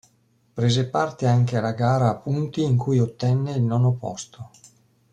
Prese parte anche alla gara a punti in cui ottenne il nono posto.